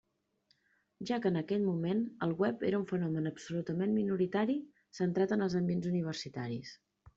Ja que en aquell moment el web era un fenomen absolutament minoritari, centrat en els ambients universitaris.